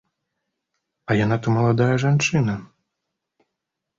А яна то маладая жанчына!